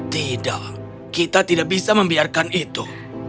tidak kita tidak bisa membiarkan itu